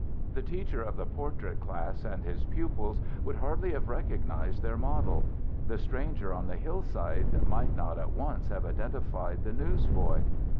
The teacher of the portrait class and his pupils would hardly have recognized their model; the stranger on the hillside might not at once have identified the newsboy.